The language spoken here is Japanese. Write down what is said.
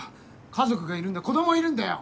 家族がいるんだ子どもいるんだよ！